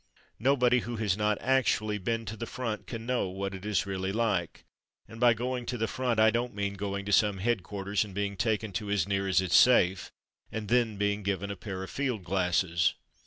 Nobody who has not actually been to the front can know what it is really like, and by going to the front I don't mean go ing to some headquarters and being taken to ^^as near as it's safe," and then being given a pair of field glasses.